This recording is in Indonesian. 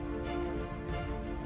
kamu bener bener ketahuan lu mas